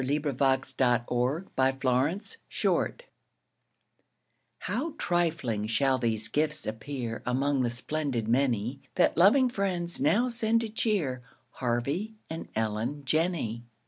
WITH TWO SPOONS FOR TWO SPOONS How trifling shall these gifts appear Among the splendid many That loving friends now send to cheer Harvey and Ellen Jenney.